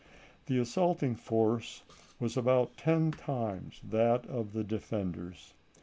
The assaulting force was about ten times that of the defenders.